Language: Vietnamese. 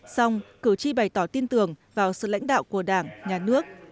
xong cử tri bày tỏ tin tưởng vào sự lãnh đạo của đảng nhà nước